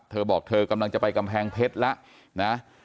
เธอบอกเธอกำลังจะไปกำแพงเพชรแล้วนะ